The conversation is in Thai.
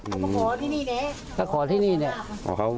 ใช้เปลี่ยนก็ขอที่นี่นี่